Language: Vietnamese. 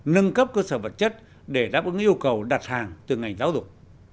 nâng cấp cơ sở vật chất để đáp ứng yêu cầu đặt hàng từ ngành giáo dục